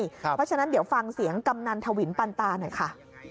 เพราะฉะนั้นเดี๋ยวฟังเสียงกำนันทวินปันตาหน่อยค่ะ